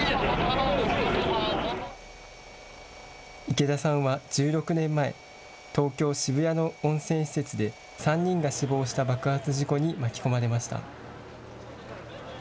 池田さんは１６年前、東京・渋谷の温泉施設で３人が死亡した爆発事故に巻き込まれました。